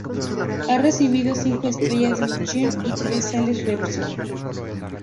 Ha recibido cinco estrellas Michelin y tres Soles Repsol.